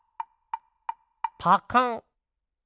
パカン！